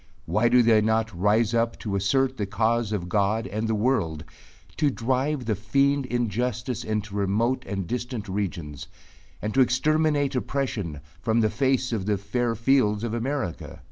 Why do they not rise up to assert the cause of God and the world, to drive the fiend injustice into remote and distant regions, and to exterminate oppression from the face of the fair fields of America?